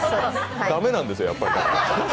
駄目なんですよ、やっぱり。